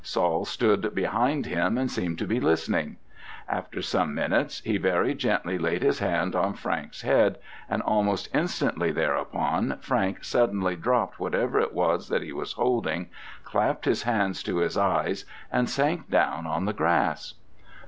Saul stood behind him and seemed to be listening. After some minutes he very gently laid his hand on Frank's head, and almost instantly thereupon, Frank suddenly dropped whatever it was that he was holding, clapped his hands to his eyes, and sank down on the grass.